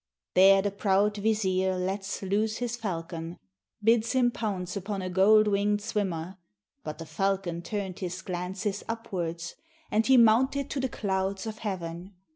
There the proud vizier lets loose his falcon. Bids him pounce upon a gold wing'd swimmer; But the falcon turned his glances upwards, And he mounted to the clouds of heaven.